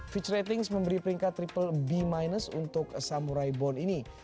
fitch ratings memberi peringkat triple b minus untuk samurai bond ini